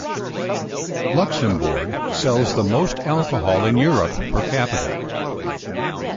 Luxembourg sells the most alcohol in Europe per capita.